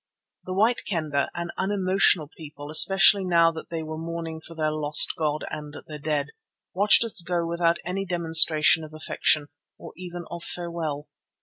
The White Kendah, an unemotional people especially now when they were mourning for their lost god and their dead, watched us go without any demonstration of affection, or even of farewell.